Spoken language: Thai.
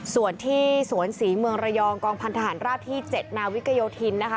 ส่วนที่สวนศรีเมืองระยองกองพันธหารราบที่๗นาวิกโยธินนะคะ